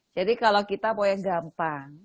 jadi kalau kita mau yang gampang